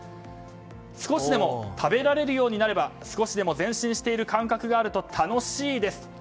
少しでも食べられるようになれば少しでも前進している感覚があると楽しいです。